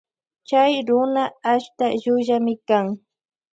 Chy runa ashta llullami kan.